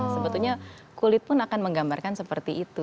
sebetulnya kulit pun akan menggambarkan seperti itu